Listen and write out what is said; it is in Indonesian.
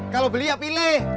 kalau beli ya pilih